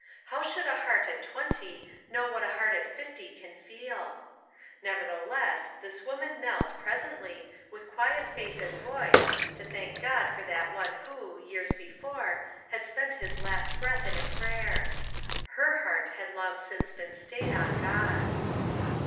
How should a heart at twen ty know what a heart at fifty can feel? 428 ONE COMMONPLACE DAY. Nevertheless, this woman knelt, presently, with quiet face and voice, to thank God for that one who, years before, had spent his last breath in a prayer. Her heart had long since been stayed on God.